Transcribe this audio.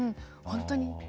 本当に。